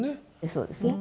そうですね。